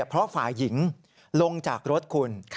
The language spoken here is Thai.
เพราะฝ่ายหญิงลงจากรถคุณ